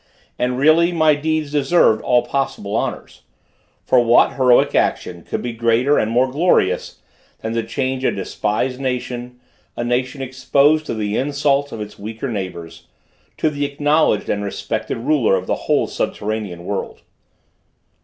And really my deeds deserved all possible honors; for what heroic action could be greater and more glorious than to change a despised nation, a nation exposed to the insults of its weaker neighbors, to the acknowledged and respected ruler of the whole subterranean world?